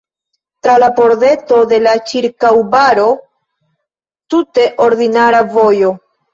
Tra la pordeto de la ĉirkaŭbaro tute ordinara vojo.